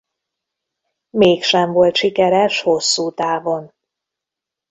Mégsem volt sikeres hosszútávon.